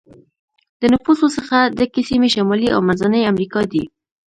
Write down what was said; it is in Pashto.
د نفوسو څخه ډکې سیمې شمالي او منځنی امریکا دي.